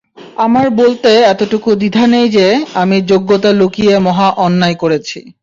আমার বলতে এতটুকু দ্বিধা নেই যে, আমি যোগ্যতা লুকিয়ে মহা অন্যায় করেছি।